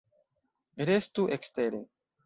Restu ekstere!